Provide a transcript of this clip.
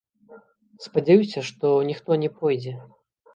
Спадзяюся, што ніхто не пойдзе.